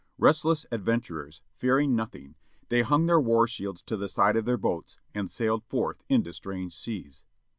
Restless adventurers, fearing nothing, they hung their war shields to the side of their boats, and sailed forth into strange seas.